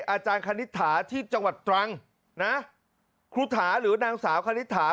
อาจารย์คณิตถาที่จังหวัดตรังนะครูถาหรือนางสาวคณิตถา